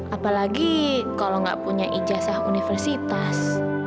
apalagi kalau nggak punya ijazah universitas